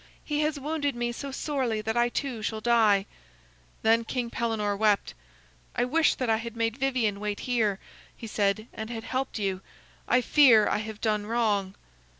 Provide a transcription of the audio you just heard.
He has wounded me so sorely that I too shall die." Then King Pellenore wept. "I wish that I had made Vivien wait here," he said, "and had helped you. I fear I have done wrong."